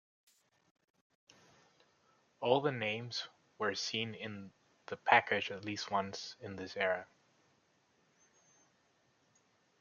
All names were seen in the package at least once in this era.